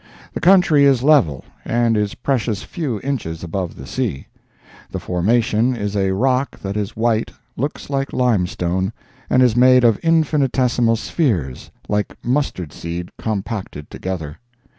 The country is level, and is precious few inches above the sea. The formation is a rock that is white, looks like limestone, and is made of infinitesimal spheres like mustard seed compacted together.